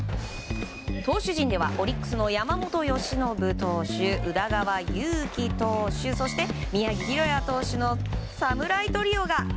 投手陣ではオリックスの山本由伸投手、宇田川投手そして、宮城大弥投手の侍トリオが。